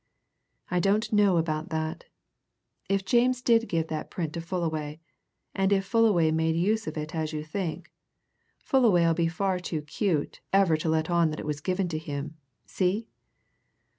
"I don't know about that. If James did give that print to Fullaway, and if Fullaway made use of it as you think, Fullaway'll be far too cute ever to let on that it was given to him. See!"